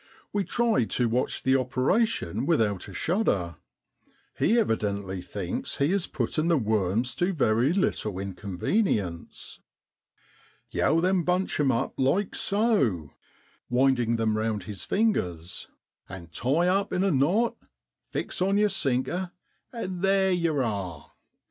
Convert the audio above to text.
We try to watch the operation without a shudder: he evidently thinks he is putting the worms to very little inconvenience. 'Yow then bunch 'em up like so ' (winding them round his fingers) 'an' tie up in a knot, fix on yer sinker, an' theer yow are.